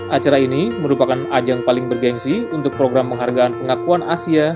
acara ini merupakan ajang paling bergensi untuk program penghargaan pengakuan asia